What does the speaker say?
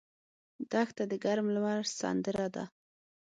دښته د ګرم لمر سندره ده.